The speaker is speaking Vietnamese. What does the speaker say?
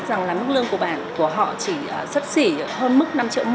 rằng mức lương cơ bản của họ chỉ sất xỉ hơn mức năm một triệu